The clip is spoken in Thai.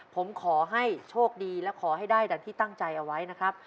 ผมขอให้โชคดีและขอให้ได้ดังที่ตั้งใจเอาไว้นะครับ